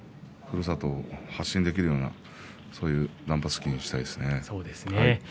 ふるさとを発信できるようなそういう断髪式にしたいですね。